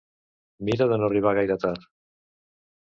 Mira de no arribar gaire tard